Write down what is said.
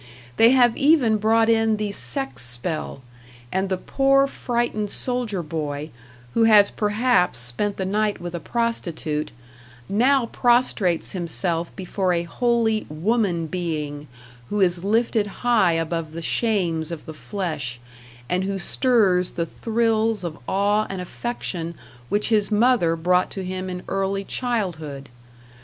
They have even brought in the sex spell; and the poor, frightened soldier boy, who has perhaps spent the night with a prostitute, now prostrates himself before a holy Woman being who is lifted high above the shames of the flesh, and who stirs the thrills of awe and affection which his mother brought to him in early childhood.